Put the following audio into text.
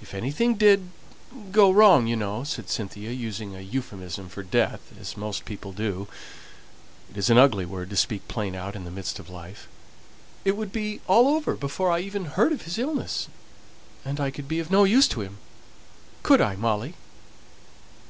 If anything did go wrong, you know," said Cynthia, using a euphuism for death, as most people do (it is an ugly word to speak plain out in the midst of life), "it would be all over before I even heard of his illness, and I could be of no use to him could I, Molly?"